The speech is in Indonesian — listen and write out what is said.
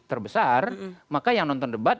terbesar maka yang nonton debat